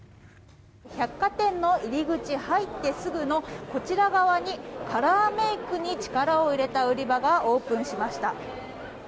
百貨店の入り口入ってすぐのこちら側にカラーメイクに力を入れた売り場がオープンしました。